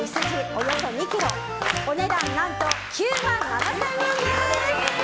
およそ２ｋｇお値段何と９万７０００円です！